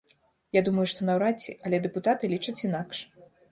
Я думаю, што наўрад ці, але дэпутаты лічаць інакш.